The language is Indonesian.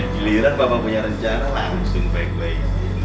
giliran papa punya rencana langsung baik baik